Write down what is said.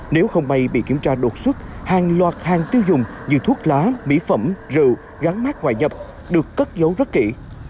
nếu không may bị kiểm tra đột xuất hàng loạt hàng tiêu dùng như thuốc lá mỹ phẩm rượu gắn mát ngoại nhập được cất dấu rất kỹ